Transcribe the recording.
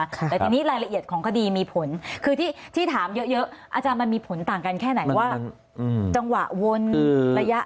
แต่ทีนี้รายละเอียดของคดีมีผลคือที่ถามเยอะอาจารย์มันมีผลต่างกันแค่ไหนว่าจังหวะวนระยะ